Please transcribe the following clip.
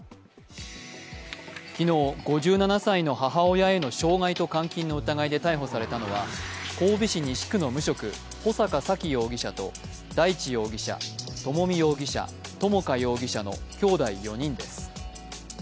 昨日、５７歳の母親への傷害と監禁の疑いで逮捕されたのは神戸市西区の無職、穂坂沙喜容疑者と大地容疑者、朝美容疑者、朝華容疑者のきょうだい４人です。